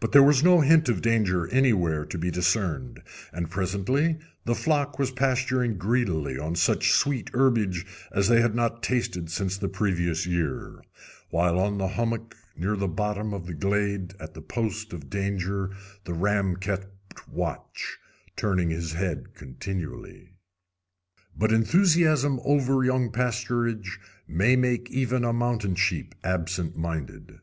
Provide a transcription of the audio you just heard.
But there was no hint of danger anywhere to be discerned; and presently the flock was pasturing greedily on such sweet herbage as they had not tasted since the previous year, while on a hummock near the bottom of the glade, at the post of danger, the ram kept watch, turning his head continually. But enthusiasm over young pasturage may make even a mountain sheep absent minded.